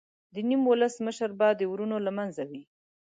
د نیم ولس مشر به د ورونو له منځه وي.